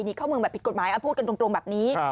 เข้าเมืองแบบผิดกฎหมายพูดกันตรงแบบนี้